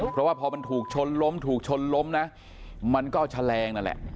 เพราะว่าพอมันถูกชนล้มถูกชนล้มนะมันก็เอาแฉลงนั่นแหละ